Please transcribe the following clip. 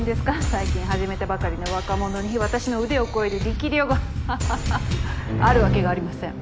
最近始めたばかりの若者に私の腕を超える力量がはははあるわけがありません。